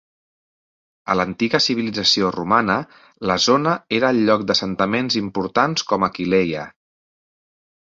A l'antiga civilització romana, la zona era el lloc d'assentaments importants com Aquileia.